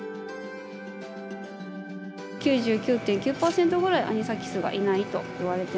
９９．９％ぐらいアニサキスがいないといわれてます。